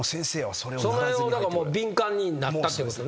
それをだからもう敏感になったっていうことね。